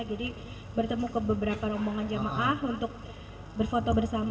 jadi bertemu ke beberapa rombongan jamaah untuk berfoto bersama